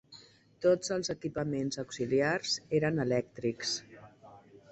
Tots els equipaments auxiliars eren elèctrics.